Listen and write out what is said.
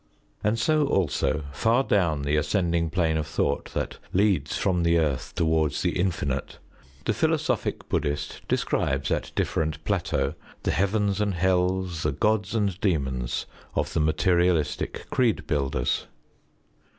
And so also, far down the ascending plane of thought that leads from the earth towards the Infinite, the philosophic Bud╠Żd╠Żhist describes, at different plateaux, the heavens and hells, the gods and demons, of the materialistic creed builders.